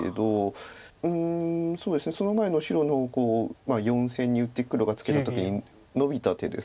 うんその前の白の４線に打って黒がツケた時にノビた手です。